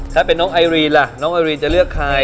ถ้าเป็นน้องไอรีนล่ะน้องไอรีนจะเลือกใคร